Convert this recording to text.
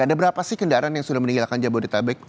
ada berapa sih kendaraan yang sudah meninggalkan jabodetabek